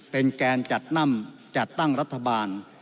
เป็นแกนจัดนำจัดตั้งรัฐบาล